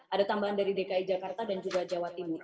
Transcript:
ada tambahan dari dki jakarta dan juga jawa timur